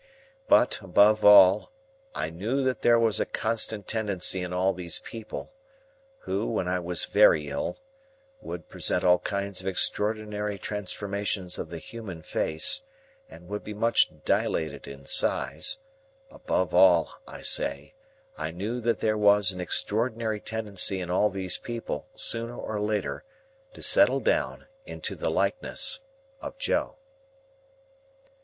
But, above all, I knew that there was a constant tendency in all these people,—who, when I was very ill, would present all kinds of extraordinary transformations of the human face, and would be much dilated in size,—above all, I say, I knew that there was an extraordinary tendency in all these people, sooner or later, to settle down into the likeness of Joe.